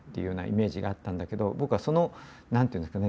僕はその何て言うんですかね